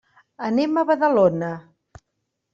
Anem a Badalona.